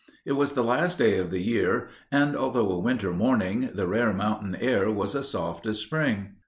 It was the last day of the year, and although a winter morning, the rare mountain air was as soft as spring.